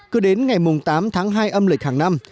cứ đến ngày tám tháng hai âm lịch hàng năm